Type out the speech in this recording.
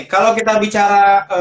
kalau kita bicara